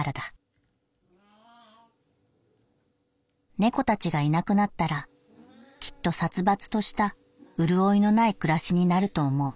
「猫たちがいなくなったらきっと殺伐とした潤いのない暮らしになると思う」。